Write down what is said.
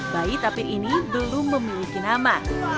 bayi tapir ini belum memiliki nama